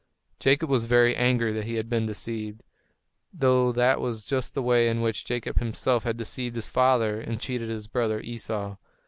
Jacob was very angry that he had been deceived, though that was just the way in which Jacob himself had deceived his father and cheated his brother Esau.